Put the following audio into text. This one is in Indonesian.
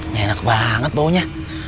ngenak banget baunya